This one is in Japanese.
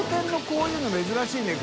こういうの珍しいね。